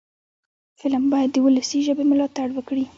فلم باید د ولسي ژبې ملاتړ وکړي